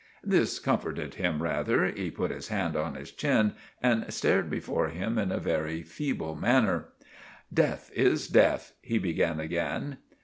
This comforted him rather. He put his hand on his chin and stared before him in a very feeble manner. "Deth is deth," he began again.